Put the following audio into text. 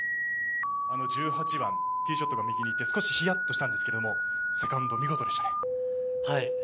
１８番、ティーショットが右に行って少しヒヤッとしたんですがセカンド、見事でしたね。